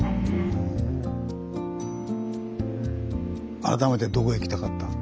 改めてどこ行きたかった？